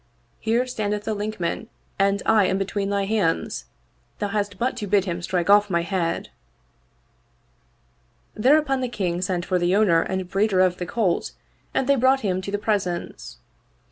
Here standeth the Linkman and I am between thy hands : thou hast but to bid him strike off my head I " Thereupon the King sent for the owner and breeder of the colt and they brought him to the presence.